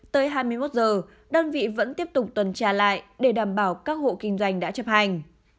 tới hai mươi một giờ đơn vị vẫn tiếp tục tuần tra lại để đảm bảo các hộ kinh doanh đã chấp hành